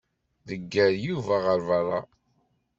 Ḍegger Yuba ɣer beṛṛa.